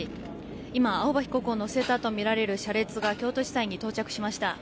今、青葉被告を乗せたとみられる車列が京都地裁に到着しました。